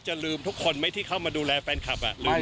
จะลืมทุกคนที่เข้ามาดูแลแฟนคลับลืมไหม